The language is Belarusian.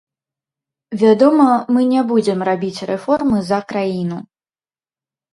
Вядома, мы не будзем рабіць рэформы за краіну.